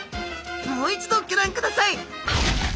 もう一度ギョ覧ください。